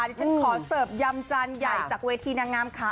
ที่ฉันขอเสิร์ฟยำจานใหญ่จากเวทีนางงามค่ะ